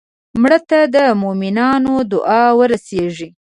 مړه ته د مومنانو دعا ورسېږي